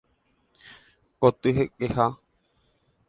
Kotykeha